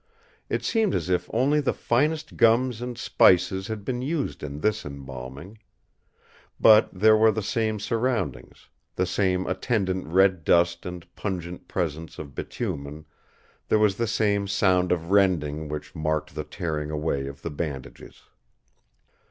It seemed as if only the finest gums and spices had been used in this embalming. But there were the same surroundings, the same attendant red dust and pungent presence of bitumen; there was the same sound of rending which marked the tearing away of the bandages.